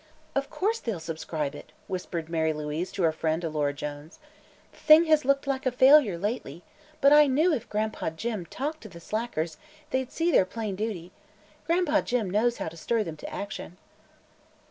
"Of course they'll subscribe it!" whispered Mary Louise to her friend Alora Jones. "The thing has looked like a failure, lately, but I knew if Gran'pa Jim talked to the slackers, they'd see their plain duty. Gran'pa Jim knows how to stir them to action."